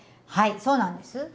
はいそうなんです。